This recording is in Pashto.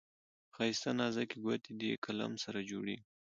ښايسته نازكي ګوتې دې قلم سره جوړیږي.